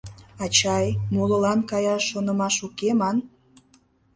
«Ачай, молылан каяш шонымаш уке» ман.